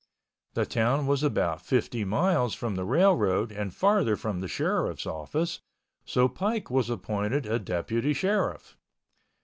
The town was about fifty miles from the railroad and farther from the Sheriff's office, so Pike was appointed a Deputy Sheriff.